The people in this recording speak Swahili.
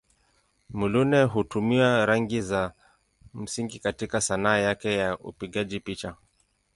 Muluneh hutumia rangi za msingi katika Sanaa yake ya upigaji picha.